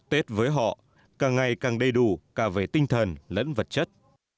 tết với họ càng ngày càng đầy đủ cả về tinh thần lẫn vật chất